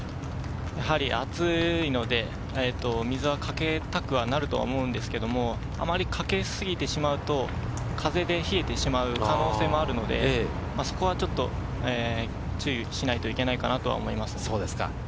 やはり暑いので、水を掛けたくなると思うんですが、かけすぎてしまうと風で冷えてしまう可能性もあるので、そこはちょっと注意しないといけないかなと思います。